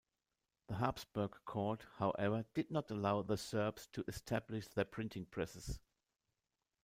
The Habsburg court, however, did not allow the Serbs to establish their printing presses.